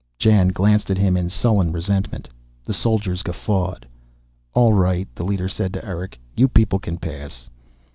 Jan glanced at him in sullen resentment. The soldiers guffawed. "All right," the leader said to Erick. "You people can pass."